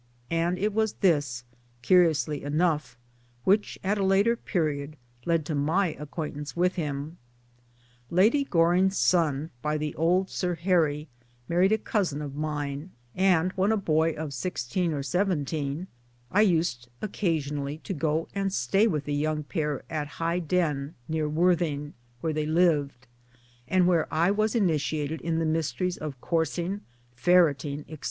And it was this, curiously enough, which at a later period led to my acquaint ance with him. Lady Goring's son, by the old Sir Harry, married a cousin of mine, and when a boy of sixteen or seventeen I used occasionally to go and stay with the young pair at Highden near Worthing where they lived, and where I was initiated in the mysteries of coursing, ferreting, etc.